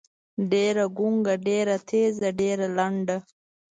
ډېــره ګونګــــــه، ډېــره تېــزه، ډېــره لنډه.